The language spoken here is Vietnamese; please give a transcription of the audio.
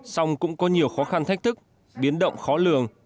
song cũng có nhiều khó khăn thách thức biến động khó lường